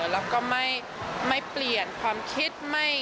แล้วก็ไม่เปลี่ยนความคิด